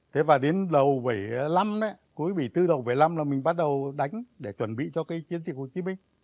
thế và đến đầu bảy mươi năm cuối bảy mươi bốn đầu bảy mươi năm là mình bắt đầu đánh để chuẩn bị cho cái chiến dịch hồ chí minh